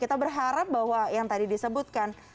kita berharap bahwa yang tadi disebutkan